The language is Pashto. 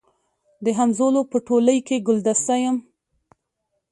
د همزولو په ټولۍ کي ګلدسته یم